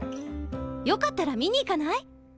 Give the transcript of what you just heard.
よかったら見に行かない？